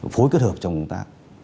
phối kết hợp trong công tác